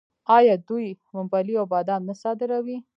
آیا دوی ممپلی او بادام نه صادروي؟